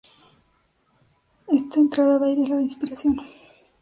Esta entrada de aire es la inspiración.